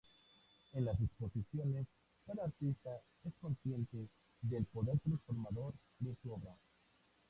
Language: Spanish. En las exposiciones, cada artista es consciente del poder transformador de su obra.